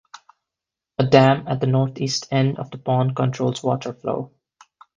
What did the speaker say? A dam at the northeast end of the pond controls water flow.